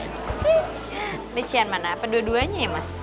ini cian mana apa dua duanya ya mas